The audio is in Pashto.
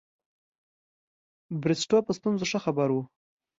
بریسټو په ستونزو ښه خبر وو.